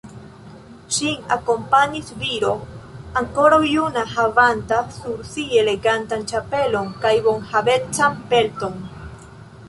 Ŝin akompanis viro ankoraŭ juna, havanta sur si elegantan ĉapelon kaj bonhavecan pelton.